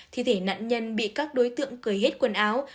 thi thể nạn nhân bị các đối tượng cười hết quần áo